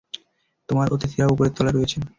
তোমার অতিথিরা উপরের তলায় রয়েছেন।